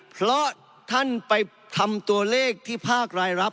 เพราะท่านไปทำตัวเลขที่ภาครายรับ